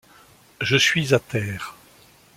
Je suis à terre.